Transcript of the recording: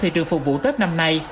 thị trường phục vụ tết năm nay